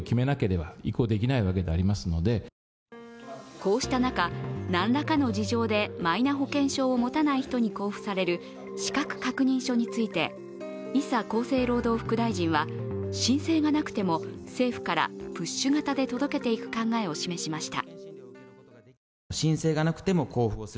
こうした中、何らかの事情でマイナ保険証を持たない人に交付される資格確認書について、伊佐厚生労働副大臣は申請がなくても政府からプッシュ型で届けていく考えを示しました。